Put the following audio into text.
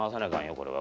これは。